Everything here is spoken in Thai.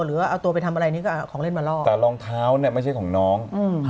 หรือว่าเอาตัวไปทำอะไรนี่ก็เอาของเล่นมาลอกแต่รองเท้าเนี่ยไม่ใช่ของน้อง